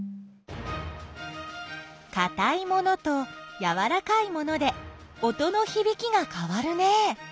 かたい物とやわらかい物で音のひびきがかわるね。